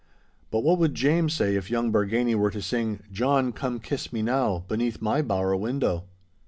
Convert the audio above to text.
But what would James say if young Bargany were to sing "John, come kiss me now," beneath my bower window?